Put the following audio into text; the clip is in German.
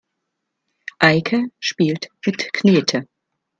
Eike spielt mit Knete.